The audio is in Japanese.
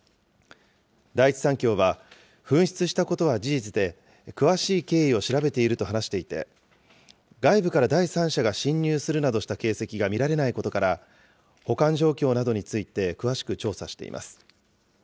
第一三共は、紛失したことは事実で、詳しい経緯を調べていると話していて、外部から第三者が侵入するなどした形跡が見られないことから、保管状況などについて詳しく調査しています。